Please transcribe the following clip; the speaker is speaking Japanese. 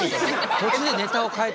途中でネタを変えて。